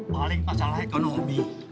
paling masalah ekonomi